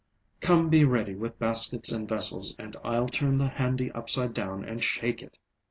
Come, be ready with baskets and vessels, and I'll turn the handi upside down and shake it."